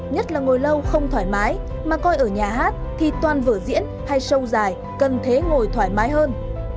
nhất là ngồi lâu không thoải mái mà coi ở nhà hát thì toàn vở diễn hay sâu dài cần thế ngồi thoải mái hơn